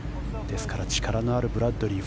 ですから、力のあるブラッドリー